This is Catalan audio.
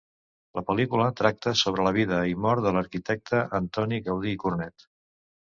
La pel·lícula tracta sobre la vida i mort de l'arquitecte Antoni Gaudí i Cornet.